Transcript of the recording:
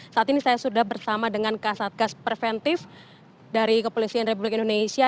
saat ini saya sudah bersama dengan kasatgas preventif dari kepolisian republik indonesia